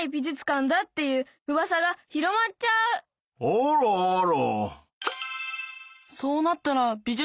あらあら！